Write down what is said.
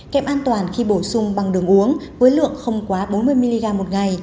kệm an toàn khi bổ sung bằng đường uống với lượng không quá bốn mươi mg một ngày